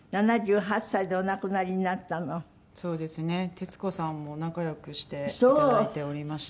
徹子さんも仲良くしていただいておりました。